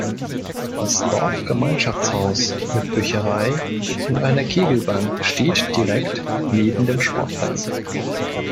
Das Dorfgemeinschaftshaus mit Bücherei und einer Kegelbahn steht direkt neben dem Sportplatz.